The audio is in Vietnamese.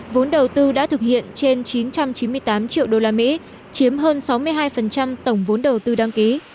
vốn đầu tư đã thực hiện trên chín trăm chín mươi tám triệu đô la mỹ chiếm hơn sáu mươi hai tổng vốn đầu tư đăng ký